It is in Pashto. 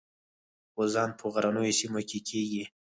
غوزان په غرنیو سیمو کې کیږي.